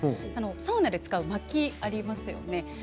サウナで使うまきがありますよね。